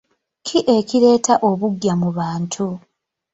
Ki ekireetera obuggya mu bantu?